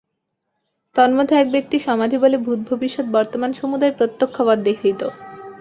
তন্মধ্যে এক ব্যক্তি সমাধিবলে ভূত ভবিষ্যৎ বর্তমান সমুদায় প্রত্যক্ষবৎ দেথিত।